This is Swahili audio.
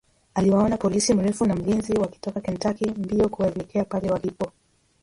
Aliwaona polisi mrefu na mlinzi wakitoka Kentucky mbio kuelekea pale walipo